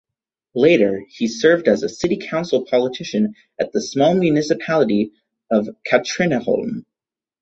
Later, he served as a city council politician at the small municipality of Katrineholm.